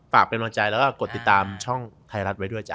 เป็นกำลังใจแล้วก็กดติดตามช่องไทยรัฐไว้ด้วยจ้